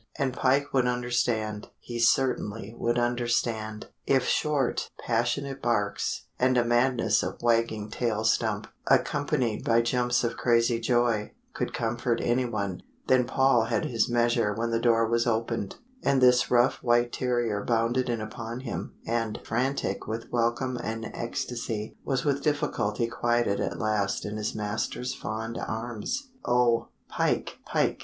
And Pike would understand he certainly would understand! If short, passionate barks, and a madness of wagging tail stump, accompanied by jumps of crazy joy, could comfort any one then Paul had his full measure when the door was opened, and this rough white terrier bounded in upon him, and, frantic with welcome and ecstasy, was with difficulty quieted at last in his master's fond arms. "Oh! Pike, Pike!"